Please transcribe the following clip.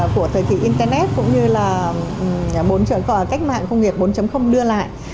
của thời kỳ internet cũng như là bốn cách mạng công nghiệp bốn đưa lại